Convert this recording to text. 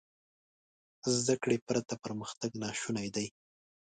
زده کړې پرته پرمختګ ناشونی دی.